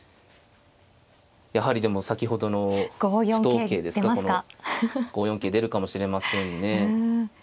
やはりでも先ほどの歩頭桂ですかこの５四桂出るかもしれませんね。